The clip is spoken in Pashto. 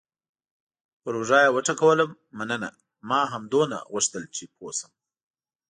پر اوږه یې وټکولم: مننه، ما همدومره غوښتل چې پوه شم.